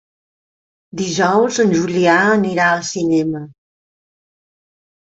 Dijous en Julià anirà al cinema.